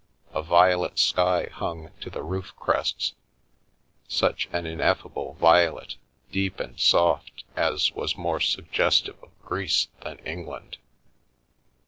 A violet sky hung to the roof crests, such an ineffable violet, deep and soft, as was more sug gestive of Greece than England.